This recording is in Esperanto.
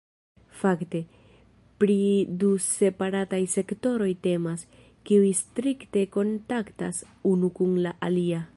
Fakte, pri du separataj sektoroj temas, kiuj strikte kontaktas unu kun la alia.